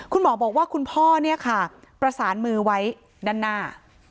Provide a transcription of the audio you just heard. คุณหมอบอกว่าคุณพ่อเนี่ยค่ะประสานมือไว้ด้านหน้า